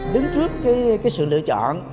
đứng trước sự lựa chọn